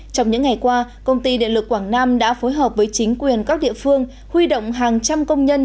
trong những ngày qua công ty điện lực quảng nam đã phối hợp với chính quyền các địa phương huy động hàng trăm công nhân